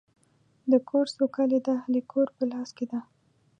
د کور سوکالي د اهلِ کور په لاس کې ده.